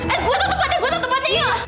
eh gue tau tempatnya gue tau tempatnya